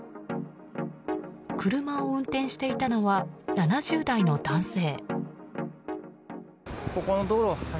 車を運転していたのは７０代の男性。